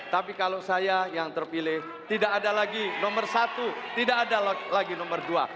tapi kalau saya yang terpilih tidak ada lagi nomor satu tidak ada lagi nomor dua